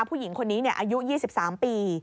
ผู้หญิงคนนี้อายุ๒๓ปี